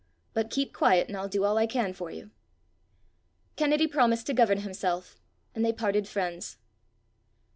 But keep quiet, and I'll do all I can for you." Kennedy promised to govern himself, and they parted friends.